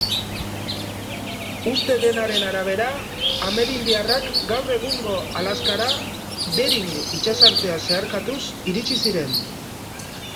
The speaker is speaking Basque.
Uste denaren arabera, amerindiarrak gaur egungo Alaskara Bering itsasartea zeharkatuz iritsi ziren.